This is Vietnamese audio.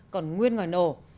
còn nguyên ngoài nổ